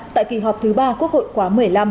tại kỳ họp thứ ba quốc hội khóa một mươi năm